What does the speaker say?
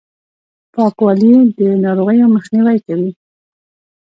پاکوالي، د ناروغیو مخنیوی کوي!